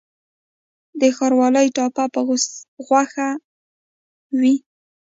د ښاروالۍ ټاپه په غوښه وي؟